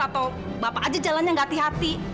atau bapak aja jalannya gak hati hati